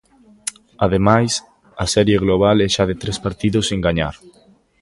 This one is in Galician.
Ademais, a serie global é xa de tres partidos sen gañar.